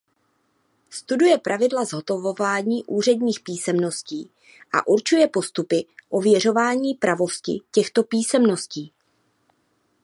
Studuje pravidla zhotovování úředních písemností a určuje postupy ověřování pravosti těchto písemností.